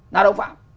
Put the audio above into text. nào đồng phạm